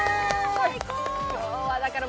最高！